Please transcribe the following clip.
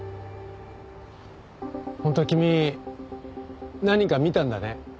本当は君何か見たんだね？